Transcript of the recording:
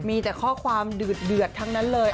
มีแต่ข้อความเดือดทั้งนั้นเลย